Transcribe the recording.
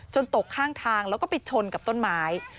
ตกข้างทางแล้วก็ไปชนกับต้นไม้